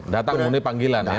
datang murni panggilan ya